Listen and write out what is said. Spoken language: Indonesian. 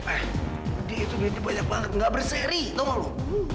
eh dia itu bete banyak banget gak berseri tau gak lo